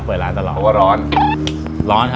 เปิดร้านตลอด